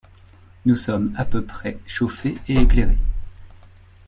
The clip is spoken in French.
Nous sommes à peu près chauffés et éclairés.